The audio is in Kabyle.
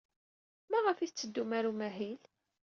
Maɣef ay tetteddum ɣer umahil?